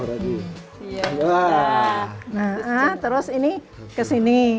wah terus ini kesini